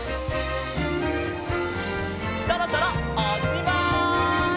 そろそろおしまい！